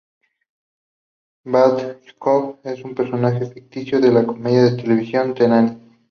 Babcock, es un personaje de ficción de la comedia de televisión "The Nanny".